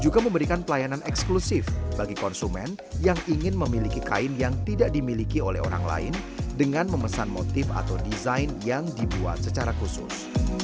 juga memberikan pelayanan eksklusif bagi konsumen yang ingin memiliki kain yang tidak dimiliki oleh orang lain dengan memesan motif atau desain yang dibuat secara khusus